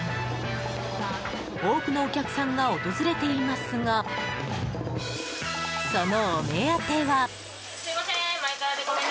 多くのお客さんが訪れていますがそのお目当ては。